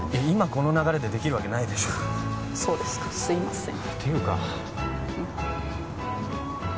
今この流れでできるわけないでしょそうですかすいませんていうかうん？